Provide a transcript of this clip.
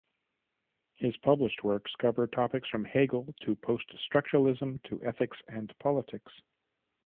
His published works cover topics from Hegel to post-structuralism to ethics and politics.